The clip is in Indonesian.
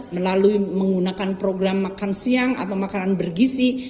melalui menggunakan program makan siang atau makanan bergisi